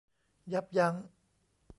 ยับยั้ง